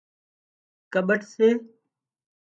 ڪٻٺ سي